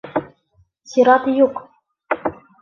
Сират юҡ.